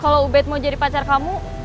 kalau ubed mau jadi pacar kamu